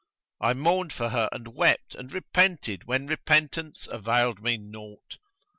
I mourned for her and wept and repented when repentance availed me naught.